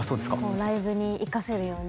ライブに生かせるように。